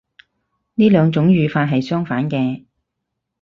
呢兩種語法係相反嘅